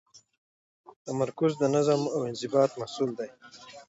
تمرکز د نظم او انضباط محصول دی.